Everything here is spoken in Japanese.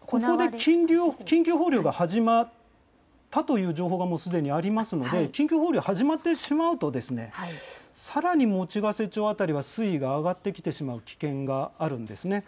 ここで緊急放流が始まったという情報が、もうすでにありますので、緊急放流、始まってしまうとですね、さらに用瀬町辺りは水位が上がってきてしまう危険があるんですね。